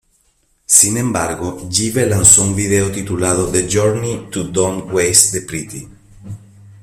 Sin embargo, Jive lanzo un video titulado "The Journey to Don't Waste the Pretty".